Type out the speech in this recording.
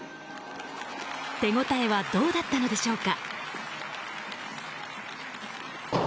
手応えはどうだったのでしょうか。